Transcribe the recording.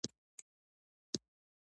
جنګ د ټولنې په پرمختګ کې خنډ ګرځي.